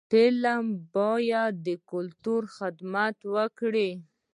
فلم باید د کلتور خدمت وکړي